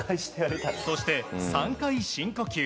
そして、３回深呼吸。